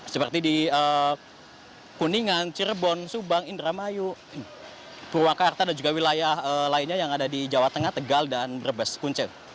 seperti di kuningan cirebon subang indramayu purwakarta dan juga wilayah lainnya yang ada di jawa tengah tegal dan brebes punce